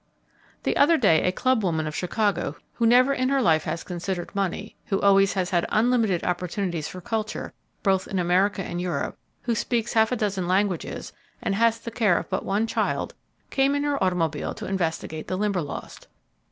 The other day a club woman of Chicago who never in her life has considered money, who always has had unlimited opportunities for culture both in America and Europe, who speaks half a dozen languages, and has the care of but one child, came in her auto mobile to investigate the Limberlost.